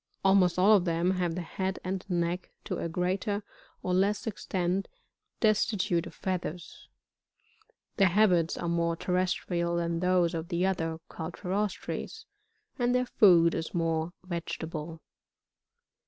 Almost all of them have the head and neck, to a greater or Ies9 extent, destitute of feathers ; their habits are more terrestrial than those of the other Cuitriroatres, and their food is more vegetable.